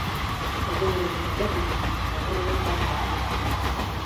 Кәзә менән кәзә дуҫ, бажа менән бажа дуҫ.